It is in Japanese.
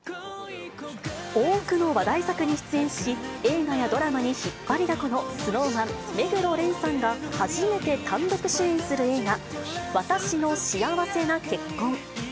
多くの話題作に出演し、映画やドラマに引っ張りだこのＳｎｏｗＭａｎ・目黒蓮さんが初めて単独主演する映画、わたしの幸せな結婚。